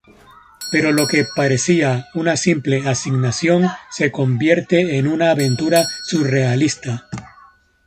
Pero lo que parecía una simple asignación se convierte en una aventura surrealista.